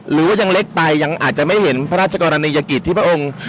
หรือว่ายังเล็กไปยังอาจจะไม่เห็นพระราชกรณียกิจที่พระองค์